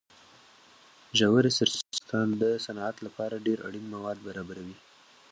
ژورې سرچینې د افغانستان د صنعت لپاره ډېر اړین مواد برابروي.